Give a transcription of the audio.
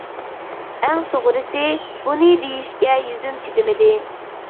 ئەڭ توغرىسى، بۇنى دېيىشكە يۈزۈم چىدىمىدى.